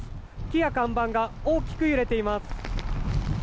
木や看板が大きく揺れています。